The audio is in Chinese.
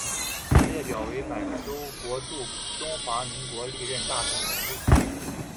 本列表为满洲国驻中华民国历任大使名录。